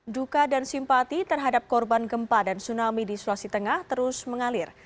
duka dan simpati terhadap korban gempa dan tsunami di sulawesi tengah terus mengalir